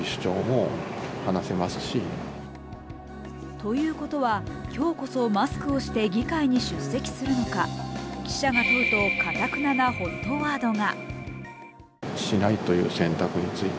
ということは今日こそマスクをして議会に出席するのか記者が問うとかたくななＨＯＴワードが。